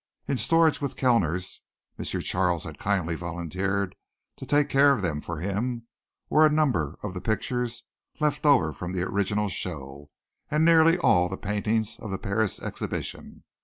In storage with Kellners (M. Charles had kindly volunteered to take care of them for him) were a number of the pictures left over from the original show, and nearly all the paintings of the Paris exhibition.